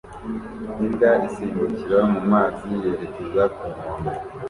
Imbwa isimbukira mu mazi yerekeza ku nkombe